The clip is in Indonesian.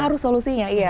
harus solusinya iya